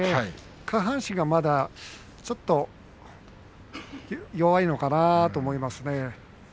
下半身がまだちょっと弱いのかなと思いますね。